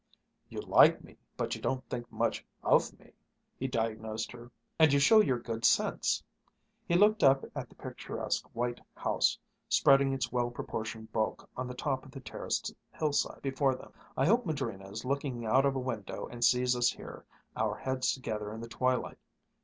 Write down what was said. "You like me, but you don't think much of me," he diagnosed her, "and you show your good sense." He looked up at the picturesque white house, spreading its well proportioned bulk on the top of the terraced hillside before them. "I hope Madrina is looking out of a window and sees us here, our heads together in the twilight.